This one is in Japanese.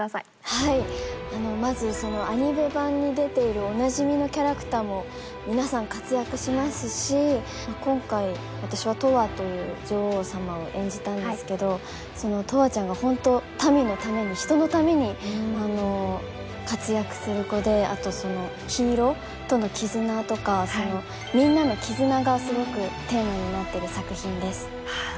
はいまずアニメ版に出ているおなじみのキャラクターも皆さん活躍しますし今回私はトワという女王様を演じたんですけどそのトワちゃんがホント民のために人のために活躍する子であとヒイロとの絆とかみんなの絆がすごくテーマになっている作品です。